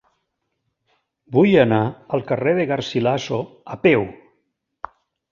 Vull anar al carrer de Garcilaso a peu.